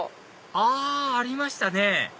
あありましたね！